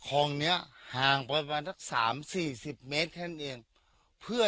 คลองเนี้ยห่างประมาณสักสามสี่สิบเมตรแค่นั้นเองเพื่อ